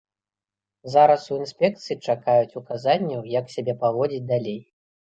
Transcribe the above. Зараз у інспекцыі чакаюць указанняў, як сябе паводзіць далей.